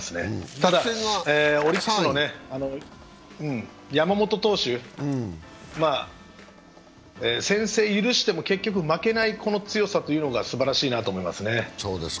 ただ、オリックスの山本投手、先制を許しても結局負けない強さがすばらしいなと思いますね。